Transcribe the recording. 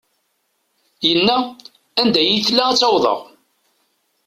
Yenna: Anda i iyi-tella ad tt-awḍeɣ.